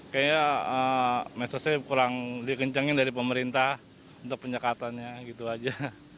kayaknya mesosnya kurang dikencangin dari pemerintah untuk penyekatannya gitu aja